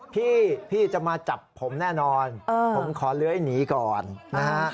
พี่พี่จะมาจับผมแน่นอนผมขอเลื้อยหนีก่อนนะฮะ